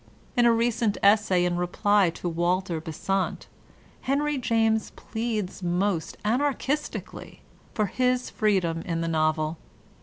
In a recent essay in reply to Walter Besant, Henry James pleads most Anarchistically for his freedom in the novel.